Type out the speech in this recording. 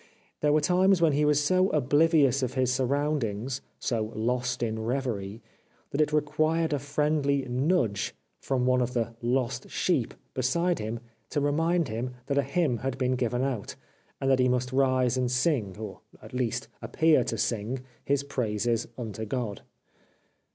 There were times when he was so oblivious of his surroundings, so lost in reverie, that it re quired a friendly '* nudge " from one of the " lost sheep " beside him to remind him that a 390 The Life of Oscar Wilde hymn had been given out, and that he must rise and sing, or at least appear to sing, his praises unto God.